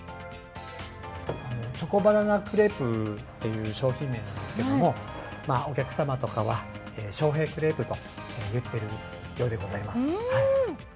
チョコバナナクレープという商品名なんですけども、お客様とかは、翔平クレープといってるようでございます。